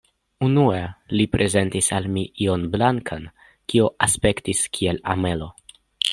Unue li prezentis al mi ion blankan, kio aspektis kiel amelo.